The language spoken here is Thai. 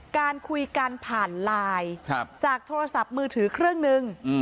การคุยกันผ่านไลน์จากโทรศัพท์มือถือเครื่องหนึ่ง